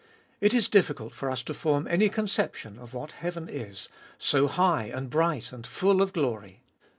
It is difficult for us to form any conception of what heaven is, so high, and bright, and full of glory.